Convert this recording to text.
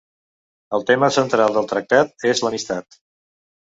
El tema central del tractat és l'amistat.